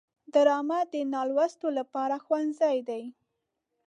ډرامه د نالوستو لپاره ښوونځی دی